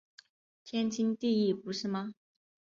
天经地义不是吗？